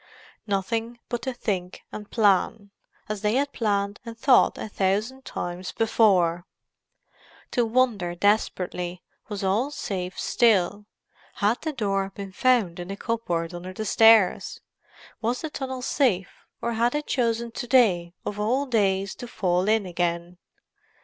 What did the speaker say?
Nothing but to think and plan, as they had planned and thought a thousand times before; to wonder desperately was all safe still—had the door been found in the cupboard under the stairs? was the tunnel safe, or had it chosen to day of all days to fall in again?